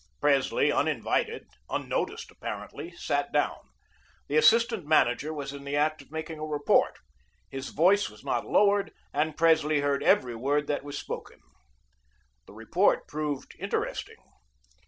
Presley, uninvited, unnoticed apparently, sat down. The assistant manager was in the act of making a report. His voice was not lowered, and Presley heard every word that was spoken. The report proved interesting.